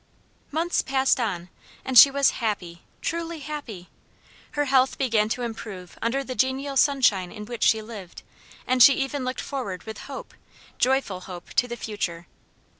Months passed on, and she was HAPPY truly happy. Her health began to improve under the genial sunshine in which she lived, and she even looked forward with HOPE joyful hope to the future.